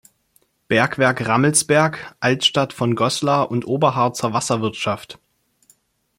Bergwerk Rammelsberg, Altstadt von Goslar und Oberharzer Wasserwirtschaft